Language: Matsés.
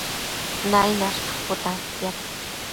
Nainash caputantiad